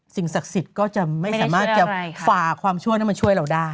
ศักดิ์สิทธิ์ก็จะไม่สามารถจะฝ่าความช่วยให้มาช่วยเราได้